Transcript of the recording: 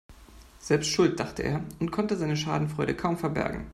Selbst schuld, dachte er und konnte seine Schadenfreude kaum verbergen.